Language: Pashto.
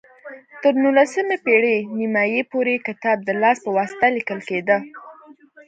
تر نولسمې پېړۍ نیمايي پورې کتاب د لاس په واسطه لیکل کېده.